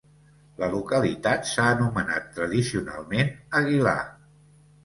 La localitat s'ha anomenat tradicionalment Aguilar.